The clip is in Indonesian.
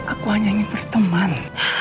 aku hanya ingin berteman